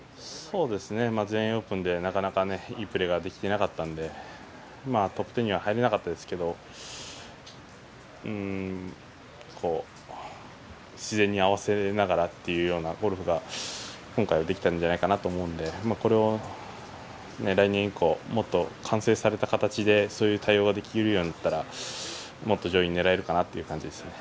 全英オープンでなかなか、いいプレーができてなかったんでトップ１０には入れなかったですが自然に合わせながらというゴルフが今回はできたんじゃないかなと思うのでこれを来年以降もっと完成された形でそういう対応ができるようになったらもっと上位狙えるかなという感じですね。